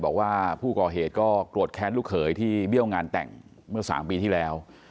บอกว่าผู้ก่อเหตุก็โกรธแค้นลูกเขยที่เบี้ยวงานแต่งเมื่อ๓ปีที่แล้ว